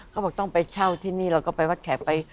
เขาบอกต้องไปเช่าที่นี่เราก็ไปวัดแขกไป